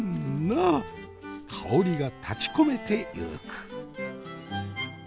香りが立ちこめてゆく。